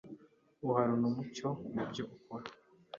uhorane umucyo mu byo ukora